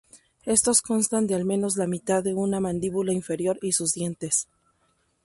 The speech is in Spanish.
Estos constan de al menos la mitad de una mandíbula inferior y sus dientes.